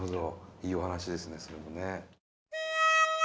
いいお話ですねそれもね。